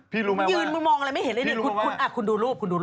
พี่รู้ไหมว่ายืนมองอะไรไม่เห็นเลยคุณดูรูป